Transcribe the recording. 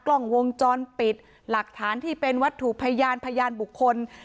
กล้องวงจรปิดหลักฐานที่เป็นวัตถุพยานพยานบุคคล